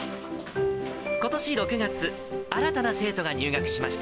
ことし６月、新たな生徒が入学しました。